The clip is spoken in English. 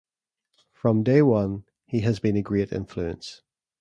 From day one he has been a great influence.